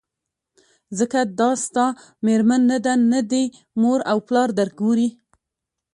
ځکه دا ستا مېرمن نه ده نه دي مور او پلار درګوري